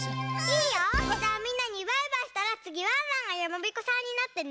いいよじゃあみんなにバイバイしたらつぎワンワンがやまびこさんになってね！